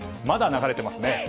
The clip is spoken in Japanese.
まだ流れていますね。